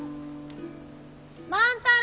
万太郎！